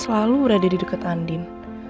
selalu berada di dekat andin